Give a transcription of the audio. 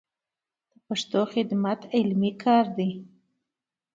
د پښتو خدمت علمي کار دی.